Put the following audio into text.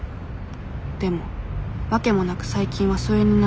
でも訳もなく最近は疎遠になっている。